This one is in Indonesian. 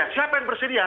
siapa yang bersedia